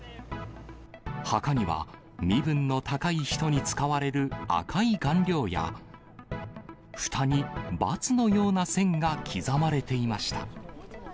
墓には、身分の高い人に使われる赤い顔料や、ふたに×のような線が刻まれていました。